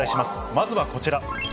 まずはこちら。